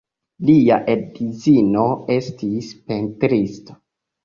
Lia edzino estis pentristo.